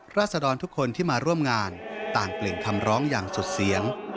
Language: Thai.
ราศดรทุกคนที่มาร่วมงานต่างกลิ่นคำร้องอย่างสุดเสียง